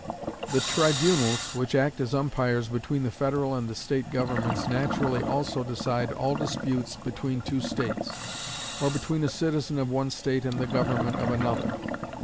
The tribunals which act as umpires between the federal and the state governments naturally also decide all disputes between two states, or between a citizen of one state and the government of another.